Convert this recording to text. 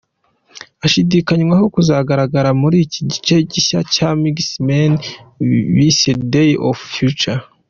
ashidikanywaho kuzagaragara muri iki gice gishya cya X-Men bise Days Of Future.